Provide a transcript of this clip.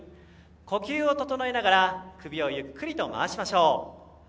呼吸を整えながら首をゆっくりと回しましょう。